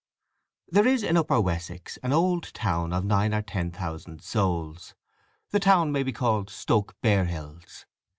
There is in Upper Wessex an old town of nine or ten thousand souls; the town may be called Stoke Barehills.